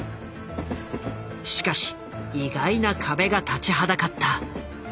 しかし意外な壁が立ちはだかった。